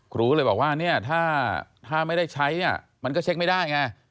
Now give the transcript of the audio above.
ครูเลยบอกว่าเนี่ยถ้าไม่ได้ใช้มันก็เช็คไม่ได้ไง